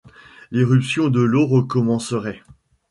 L’irruption de l’eau recommencerait.